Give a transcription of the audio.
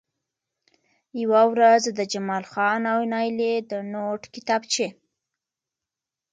يوه ورځ د جمال خان او نايلې د نوټ کتابچې